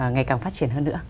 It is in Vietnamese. ngày càng phát triển hơn nữa